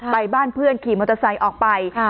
ไปบ้านเพื่อนขี่มอเตอร์ไซค์ออกไป